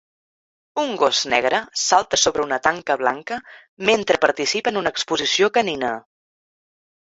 un gos negre salta sobre una tanca blanca mentre participa en una exposició canina.